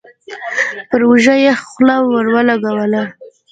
پر اوږه يې خوله ور ولګوله.